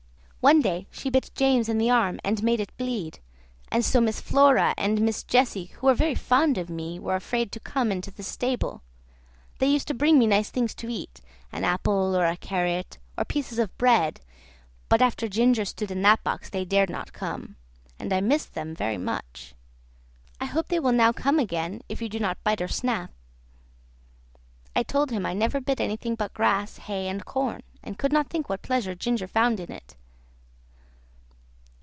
One day she bit James in the arm and made it bleed, and so Miss Flora and Miss Jessie, who are very fond of me, were afraid to come into the stable. They used to bring me nice things to eat, an apple or a carrot, or a piece of bread, but after Ginger stood in that box they dared not come, and I missed them very much. I hope they will now come again, if you do not bite or snap." I told him I never bit anything but grass, hay, and corn, and could not think what pleasure Ginger found it.